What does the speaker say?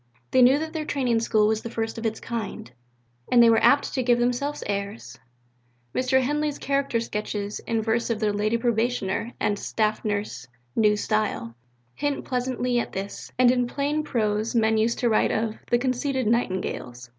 They knew that their Training School was the first of its kind; and they were apt to give themselves airs. Mr. Henley's character sketches in verse of the "Lady Probationer" and "Staff Nurse, New Style," hint pleasantly at this, and in plain prose men used to write of "the conceited Nightingales."